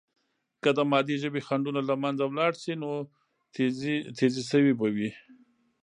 که د مادی ژبې خنډونه له منځه ولاړ سي، نو تیزي سوې به وي.